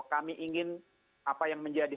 kami ingin apa yang menjadi